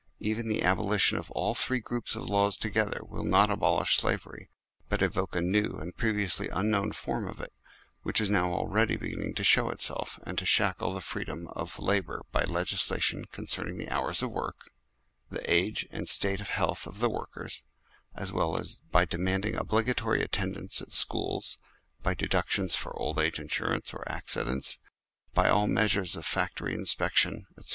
Even the abolition of all three groups of laws together, will not abolish slavery, but evoke a new and previously, unknown form of it, which is now already beginning to show itself and to shackle the freedom of labour by legislation concerning the hours of work, the age and state of health of the workers, as well as by demanding obligatory attendance at schools, by deductions for old age insurance or accidents, by all the measures of factory inspection, etc.